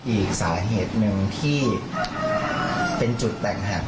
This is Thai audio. อีกสาเหตุหนึ่งที่เป็นจุดแบ่ง